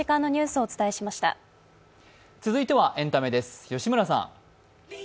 続いてはエンタメです、吉村さん。